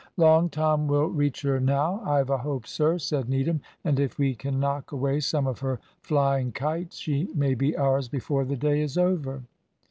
"Long Tom will reach her now, I've a hope, sir," said Needham, "and if we can knock away some of her flying kites, she may be ours before the day is over."